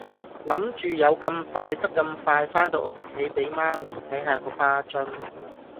諗住有咁快得咁快番到屋企俾媽咪睇下個花樽